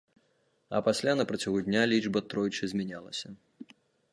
А пасля на працягу дня лічба тройчы змянялася.